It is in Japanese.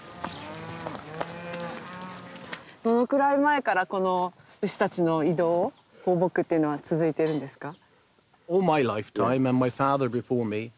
どのくらい前からこの牛たちの移動放牧っていうのは続いてるんですか？